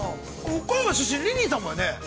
岡山出身、リリーさんもやね。